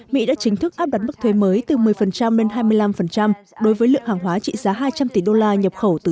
mỹ áp đặt mức thuê mới từ một mươi lên hai mươi năm đối với lượng hàng hóa trị giá hai trăm linh tỷ đô la nhập khẩu từ